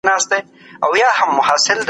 اسناد هم یو شان وي.